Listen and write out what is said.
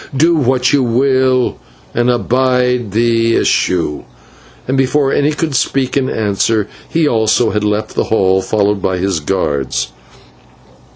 Do what you will, and abide the issue" and before any could speak in answer, he also had left the hall, followed by his guards.